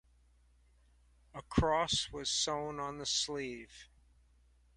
A cross was sewn on the sleeve.